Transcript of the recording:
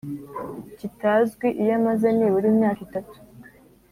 kitazwi iyo amaze n’ibura imyaka itatu